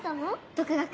独学。